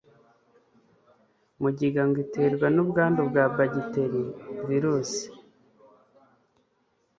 mugiga ngo iterwa n'ubwandu bwa bagiteri, virusi,